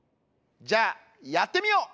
じゃあやってみよう！